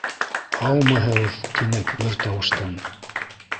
— Һаумыһығыҙ, — тинек бер тауыштан.